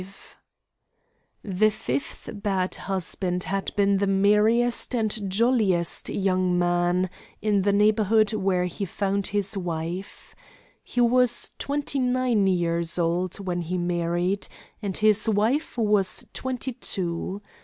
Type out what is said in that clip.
V The fifth bad husband had been the merriest and jolliest young man in the neighbourhood where he found his wife. He was twenty nine years old when he married, and his wife was twenty two.